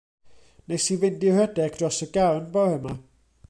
Nes i fynd i redeg dros y garn bore 'ma.